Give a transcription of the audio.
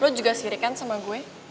lo juga sirik kan sama gue